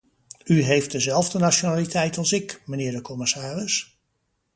U heeft dezelfde nationaliteit als ik, mijnheer de commissaris.